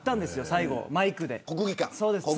最後マイクで。